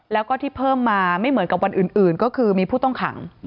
แล้วก็ที่เพิ่มมาไม่เหมือนกับวันอื่นก็คือมีผู้ต้องขัง